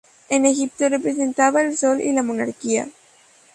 En Egipto, representaba el Sol y la Monarquía.